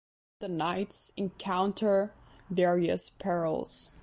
The knights encounter various perils.